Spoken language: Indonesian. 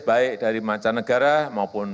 baik dari mancanegara maupun